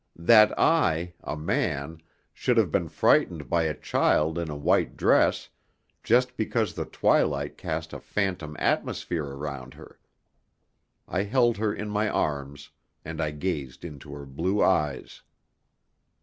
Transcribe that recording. That I, a man, should have been frightened by a child in a white dress, just because the twilight cast a phantom atmosphere around her! I held her in my arms, and I gazed into her blue eyes.